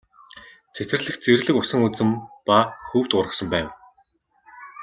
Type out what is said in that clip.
Цэцэрлэгт зэрлэг усан үзэм ба хөвд ургасан байв.